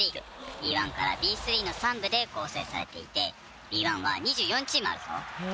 Ｂ１からＢ３の３部で構成されていてＢ１は２４チームあるぞ。